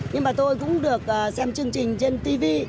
nhưng mà tôi cũng được xem chương trình trên tv